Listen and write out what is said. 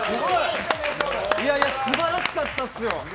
すばらしかったですよ！